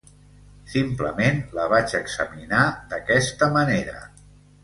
Simplement, la vaig examinar d'aquesta manera.